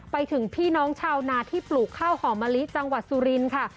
ไปถึงพี่น้องชาวนาที่ปลูกข้าวหอมมะลิจังหวัดสุรินทร์ค่ะ